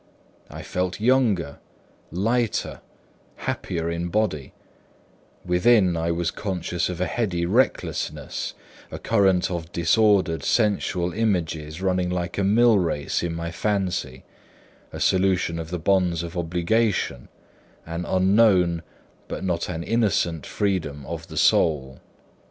I felt younger, lighter, happier in body; within I was conscious of a heady recklessness, a current of disordered sensual images running like a millrace in my fancy, a solution of the bonds of obligation, an unknown but not an innocent freedom of the soul.